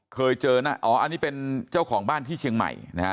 เคยเจอนะอ๋ออันนี้เป็นเจ้าของบ้านที่เชียงใหม่นะฮะ